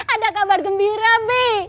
ada kabar gembira be